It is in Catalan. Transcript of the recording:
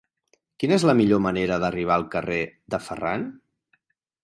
Quina és la millor manera d'arribar al carrer de Ferran?